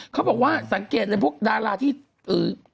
เขาบอกว่าสังเกตเลยพวกดาราที่